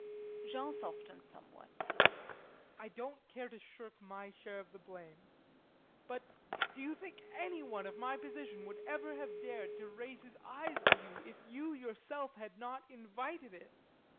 JEAN [Softens somewhat]. I don't care to shirk my share of the blame, but do you think any one of my position would ever have dared to raise his eyes to you if you yourself had not invited it?